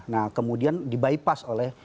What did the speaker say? nah kemudian dibipas oleh